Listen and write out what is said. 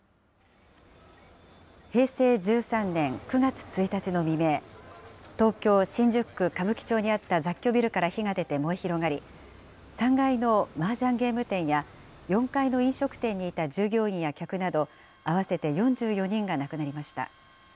平成１３年９月１日の未明、東京・新宿区歌舞伎町にあった雑居ビルから火が出て燃え広がり、３階のマージャンゲーム店や、４階の飲食店にいた従業員や客など合わせて４４人が亡くなりました。